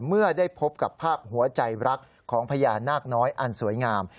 เมื่อได้พบกับภาพหัวใจรักของพญานาคน้อยอันสวยงาม